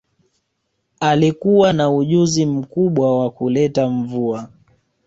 Alikuwa na ujuzi mkubwa wa kuleta mvua